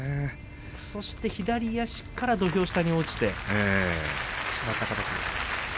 そして左足から土俵から落ちてしまったんですね。